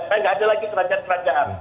saya nggak ada lagi kerajaan kerajaan